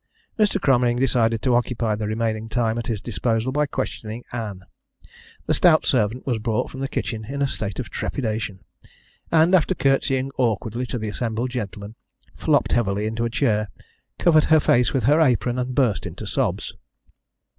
Mr. Cromering decided to occupy the remaining time at his disposal by questioning Ann. The stout servant was brought from the kitchen in a state of trepidation, and, after curtsying awkwardly to the assembled gentlemen, flopped heavily into a chair, covered her face with her apron, and burst into sobs.